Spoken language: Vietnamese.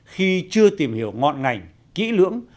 khi chưa tìm hiểu ngọn ngành kỹ lưỡng